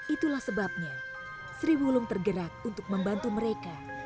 itulah sebabnya sri wulung tergerak untuk membantu mereka